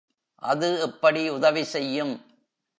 அது எப்படி உதவி செய்யும்?